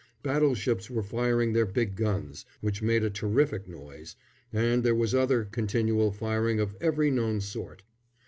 Battleships were firing their big guns, which made a terrific noise, and there was other continual firing of every known sort.